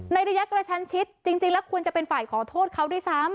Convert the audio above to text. ระยะกระชันชิดจริงแล้วควรจะเป็นฝ่ายขอโทษเขาด้วยซ้ำ